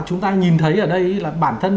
chúng ta nhìn thấy ở đây là bản thân